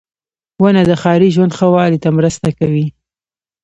• ونه د ښاري ژوند ښه والي ته مرسته کوي.